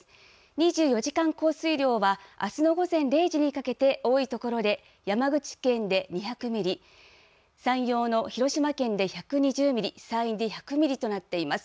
２４時間降水量はあすの午前０時にかけて、多い所で、山口県で２００ミリ山陽の広島県で１２０ミリ、山陰で１００ミリとなっています。